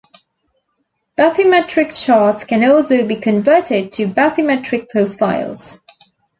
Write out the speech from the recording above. Bathymetric charts can also be converted to bathymetric profiles.